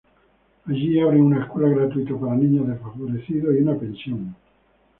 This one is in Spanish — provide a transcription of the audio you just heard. Allí abren una escuela gratuita para niños desfavorecidos y una pensión.